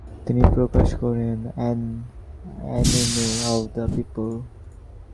তিনি প্রকাশ করেন an enemy of the people.